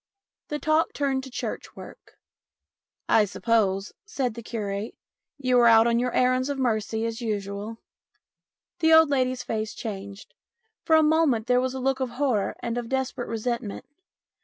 The talk turned to church work. " I suppose," said the curate, " you are out on your errands of mercy as usual ?" The old lady's face changed. For a moment there was a look of horror and of a desperate resentment.